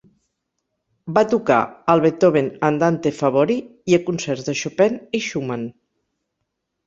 Va tocar al Beethoven Andante Favori i a concerts de Chopin i Schumann.